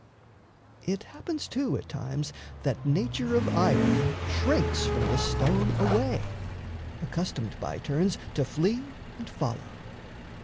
It happens, too, at times that nature of iron Shrinks from this stone away, accustomed By turns to flee and follow.